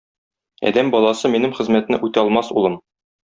Адәм баласы минем хезмәтне үтә алмас, улым.